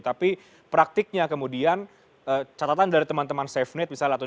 tapi praktiknya kemudian catatan dari teman teman safe net